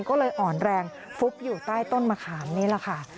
ก็เลยอ่อนแรงฟุบอยู่ใต้ต้นมะขามนี่แหละค่ะ